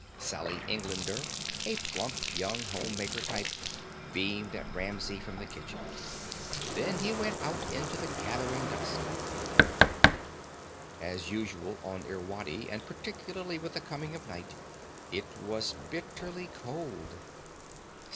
Sally Englander, a plump, young home maker type, beamed at Ramsey from the kitchen. Then he went out into the gathering dusk. As usual on Irwadi, and particularly with the coming of night, it was bitterly cold.